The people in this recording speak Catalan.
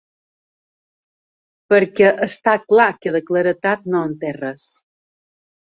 Perquè està clar que de claredat no en té res.